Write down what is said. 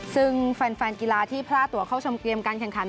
ซึ่งแฟนกีฬาที่พลาดตัวเข้าชมเกมการแข่งขัน